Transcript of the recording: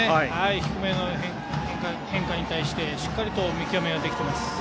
低めの変化に対してしっかりと見極めができています。